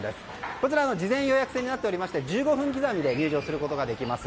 こちら、事前予約制になっていまして１５分刻みで入場することができます。